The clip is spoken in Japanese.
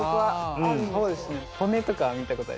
ああそうですね。